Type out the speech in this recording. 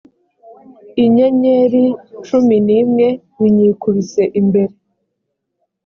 inyenyeri cumi n imwe binyikubise imbere